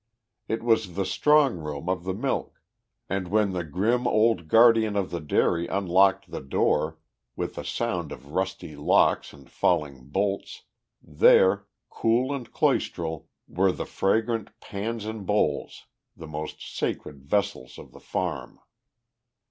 It was the strong room of the milk; and, when the grim old guardian of the dairy unlocked the door, with a sound of rusty locks and falling bolts, there, cool and cloistral, were the fragrant pans and bowls, the most sacred vessels of the farm.